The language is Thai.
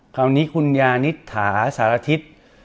คราวนี้คุณยานิษฐาสารทิศ